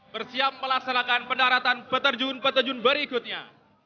bersiap melaksanakan pendaratan peterjun peterjun berikutnya